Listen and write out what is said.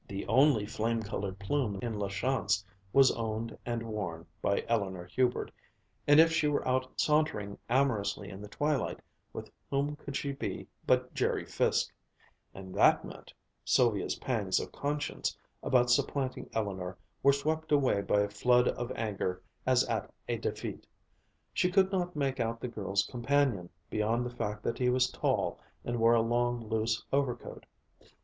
The only flame colored plume in La Chance was owned and worn by Eleanor Hubert, and if she were out sauntering amorously in the twilight, with whom could she be but Jerry Fiske, and that meant Sylvia's pangs of conscience about supplanting Eleanor were swept away by a flood of anger as at a defeat. She could not make out the girl's companion, beyond the fact that he was tall and wore a long, loose overcoat.